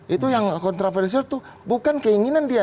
itu yang kontroversial itu bukan keinginan dia